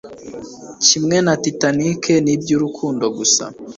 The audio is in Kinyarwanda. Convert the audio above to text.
Kimwe na Titanic nibyurukundo gusa